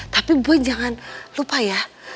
tapi puan jangan lupa ya